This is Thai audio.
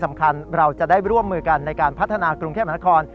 สวัสดีครับ